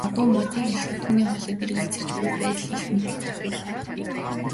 Магадгүй гэж Модыг хэлэхэд түүний хоолойд эргэлзэж буй байдал илт мэдрэгдэж байлаа.